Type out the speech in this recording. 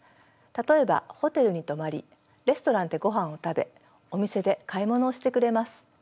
例えばホテルに泊まりレストランでご飯を食べお店で買い物をしてくれます。